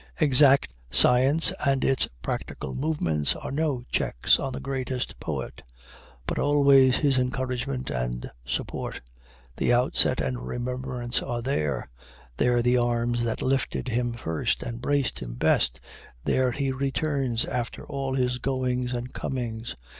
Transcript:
Exact science and its practical movements are no checks on the greatest poet, but always his encouragement and support. The outset and remembrance are there there the arms that lifted him first, and braced him best there he returns after all his goings and comings.